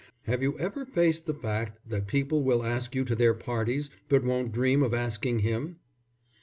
"Have you ever faced the fact that people will ask you to their parties, but won't dream of asking him?"